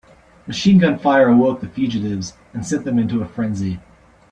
Machine gun fire awoke the fugitives and sent them into a frenzy.